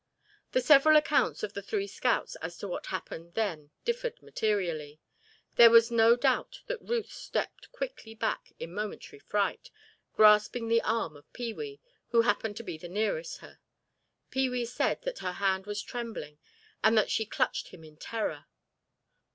The several accounts of the three scouts as to what happened then, differed materially. There was no doubt that Ruth stepped quickly back in momentary fright, grasping the arm of Pee wee who happened to be nearest her. Pee wee said that her hand was trembling and that she "clutched him in terror."